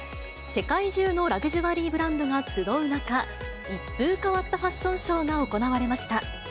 世界中のラグジュアリーブランドが集う中、一風変わったファッションショーが行われました。